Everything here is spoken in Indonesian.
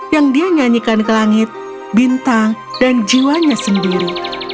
yang dia nyanyikan ke langit bintang dan jiwanya sendiri